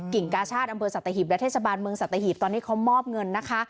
กลิ่นกาชาติอำเภอสัตวิถีและเทชบานเมืองสัตวิถีตอนนี้เขามอบเงินนะคะ